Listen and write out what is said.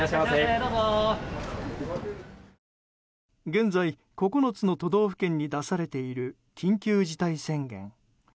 現在、９つの都道府県に出されている緊急事態宣言。